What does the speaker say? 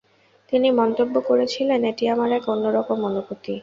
তিনি মন্তব্য করেছিলেন'এটি আমার এক অন্যরকম অনুভূতি'।